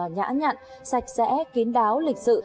nhã nhặn sạch sẽ kín đáo lịch sự